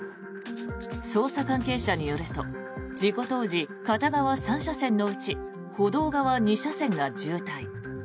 捜査関係者によると事故当時、片側３車線のうち歩道側２車線が渋滞。